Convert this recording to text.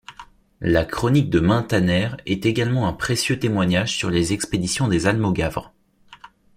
La chronique de Muntaner est également un précieux témoignage sur les expéditions des almogavres.